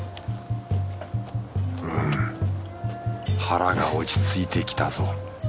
うん腹が落ち着いてきたぞ。